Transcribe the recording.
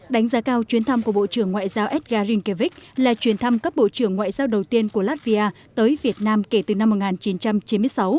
đánh giá cao chuyến thăm của bộ trưởng ngoại giao edgar rinkevich là chuyến thăm cấp bộ trưởng ngoại giao đầu tiên của latvia tới việt nam kể từ năm một nghìn chín trăm chín mươi sáu